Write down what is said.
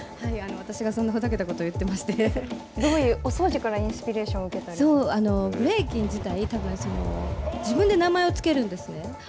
私がそんなふざけたことを言ってお掃除からインスピレーションそう、ブレイキン自体、自分で名前を付けるんですね。